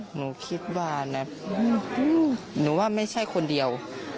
หนูคิดว่านะหนูว่าไม่ใช่คนเดียว